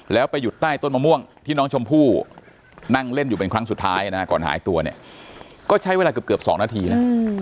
แล้วไปหยุดใต้ต้นมะม่วงที่น้องชมพู่นั่งเล่นอยู่เป็นครั้งสุดท้ายนะฮะก่อนหายตัวเนี่ยก็ใช้เวลาเกือบ๒นาทีนะ